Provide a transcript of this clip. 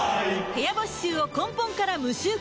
部屋干し臭を根本から無臭化